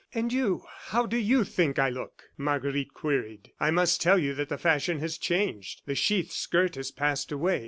"And you, how do you think I look?" Marguerite queried. "I must tell you that the fashion has changed. The sheath skirt has passed away.